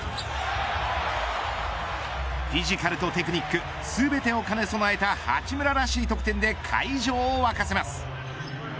フィジカルとテクニック全てを兼ね備えた八村らしい得点で会場を沸かせます。